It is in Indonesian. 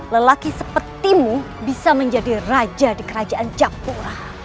lelaki sepertimu bisa menjadi raja di kerajaan japura